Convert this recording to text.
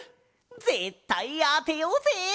ぜったいあてようぜ！